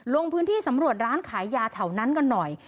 ลงพื้นที่สำรวจร้านขายยาแถวนั้นกันหน่อย